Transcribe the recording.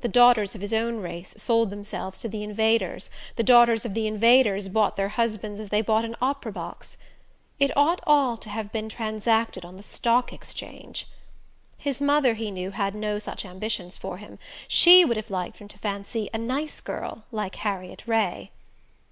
The daughters of his own race sold themselves to the Invaders; the daughters of the Invaders bought their husbands as they bought an opera box. It ought all to have been transacted on the Stock Exchange. His mother, he knew, had no such ambitions for him: she would have liked him to fancy a "nice girl" like Harriet Ray.